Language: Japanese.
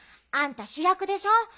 あんたしゅやくでしょ？